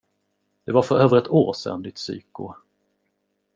Det var för över ett år sedan, ditt psyko.